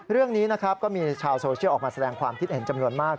เรื่องนี้นะครับก็มีชาวโซเชียลออกมาแสดงความคิดเห็นจำนวนมาก